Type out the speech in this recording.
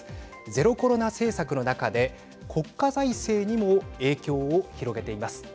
ゼロコロナ政策の中で国家財政にも影響を広げています。